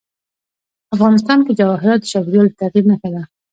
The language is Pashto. افغانستان کې جواهرات د چاپېریال د تغیر نښه ده.